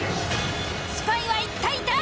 スパイは一体誰！？